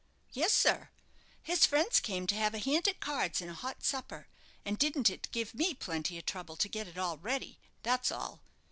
"Yes, sir. His friends came to have a hand at cards and a hot supper; and didn't it give me plenty of trouble to get it all ready, that's all.